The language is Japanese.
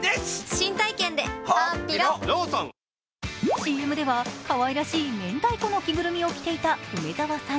ＣＭではかわいらしい明太子の着ぐるみを着ていた梅沢さん。